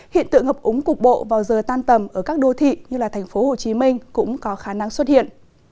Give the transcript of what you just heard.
hiện tượng ngập úng cục bộ vào giờ tan tầm ở các đô thị như thành phố hồ chí minh cũng có khả năng xuất hiện